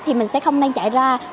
thì mình sẽ không nên chạy ra